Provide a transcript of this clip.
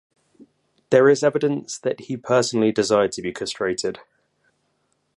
There is evidence that he personally desired to be castrated.